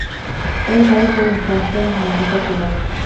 دا د تاریخ په یوه حساسه مقطعه کې و.